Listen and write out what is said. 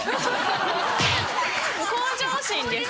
向上心です。